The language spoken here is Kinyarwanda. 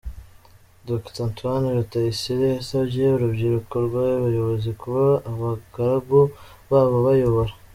Dr. Antoine Rutayisire yasabye urubyiruko rw’abayobozi kuba abagaragu b’abo bayobora